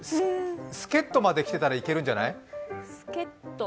助っとまで来てたら出てくるんじゃない？